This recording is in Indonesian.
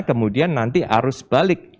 kemudian nanti harus balik